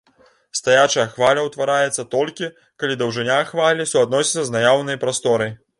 Стаячая хваля ўтвараецца толькі, калі даўжыня хвалі суадносіцца з наяўнай прасторай.